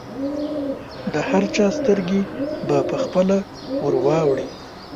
د هر چا سترګې به پخپله ورواوړي.